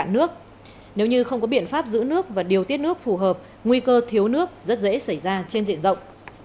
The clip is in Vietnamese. nếu như không có biện pháp giữ nước và điều tiết nước phù hợp nguy cơ thiếu nước rất dễ xảy ra trên diện rộng